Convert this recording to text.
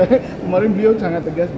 kemarin dia sangat tegas